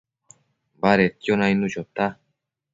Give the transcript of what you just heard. badedquio nainnu chota